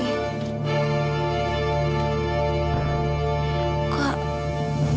maaf saya harus pergi